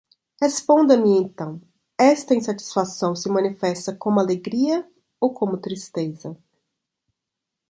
Responda-me, então: esta insatisfação se manifesta como alegria, ou como tristeza?